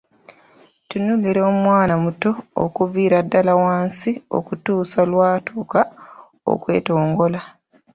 Tunuulira omwana omuto, okuviira ddala wansi, okutuusa lwatuuka okwetongola.